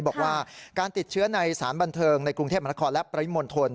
บอกว่าการติดเชื้อในสารบันเทิงในกรุงเทพมนครและปริมณฑล